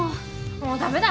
もうダメだ。